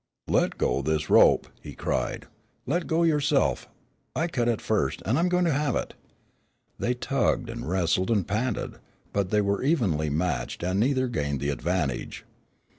"Let go this rope," he cried. "Let go yoreself, I cut it first, an' I'm a goin' to have it." They tugged and wrestled and panted, but they were evenly matched and neither gained the advantage.